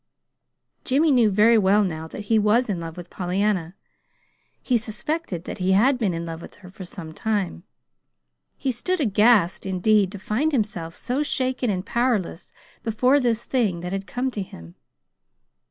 Jimmy knew very well now that he was in love with Pollyanna. He suspected that he had been in love with her for some time. He stood aghast, indeed, to find himself so shaken and powerless before this thing that had come to him.